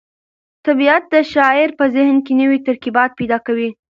طبیعت د شاعر په ذهن کې نوي ترکیبات پیدا کوي.